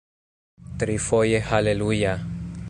Trifoje haleluja!